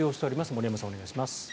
森山さん、お願いします。